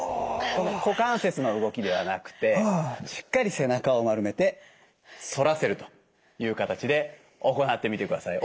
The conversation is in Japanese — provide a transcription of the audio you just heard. この股関節の動きではなくてしっかり背中を丸めて反らせるという形で行ってみてください。